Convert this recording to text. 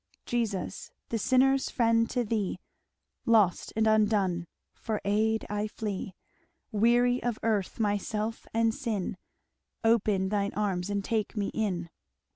"Jesus, the sinner's friend, to Thee, Lost and undone, for aid I flee; Weary of earth, myself, and sin, Open thine arms and take me in.